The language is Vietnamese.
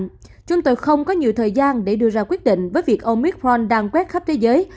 nhưng chúng tôi không có nhiều thời gian để đưa ra quyết định với việc ông micron đang quét khắp thế giới